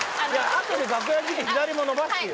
あとで楽屋来て左も伸ばしてよ